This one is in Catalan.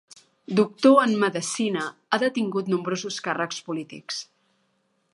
Doctor en medecina, ha detingut nombrosos càrrecs polítics.